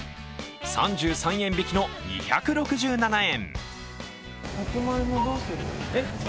３３円引きの２６７円。